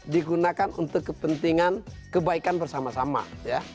digunakan untuk kepentingan kebaikan bersama sama ya